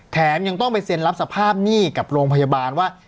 แถมยังต้องไปเซ็นรับสภาพหนี้กับโรงพยาบาลว่า